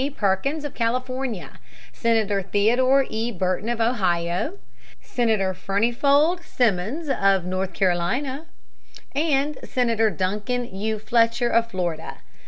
Perkins of California, Senator Theodore E. Burton of Ohio, Senator Furnifold McL. Simmons of North Carolina and Senator Duncan U. Fletcher of Florida.